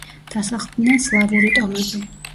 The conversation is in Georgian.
დასახლდნენ სლავური ტომები.